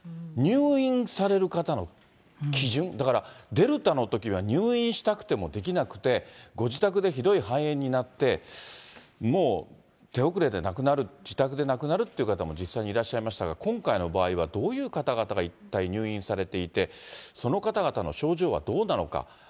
入院される方の基準、だから、デルタのときは入院したくてもできなくて、ご自宅でひどい肺炎になって、もう手遅れで亡くなる、自宅で亡くなるって方も実際にいらっしゃいましたが、今回の場合はどういう方々が一体入院されていて、その方々の症状はどうなのか。